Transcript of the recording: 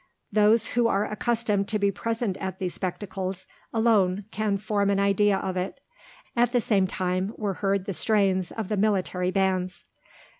Those who are accustomed to be present at these spectacles alone can form an idea of it. At the same time were heard the strains of the military bands.